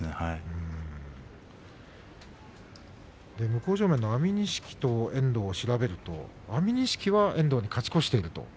向正面、安美錦遠藤を調べますと安美錦は遠藤に勝ち越しています。